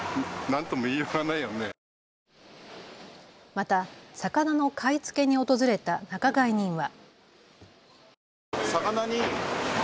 また魚の買い付けに訪れた仲買人は。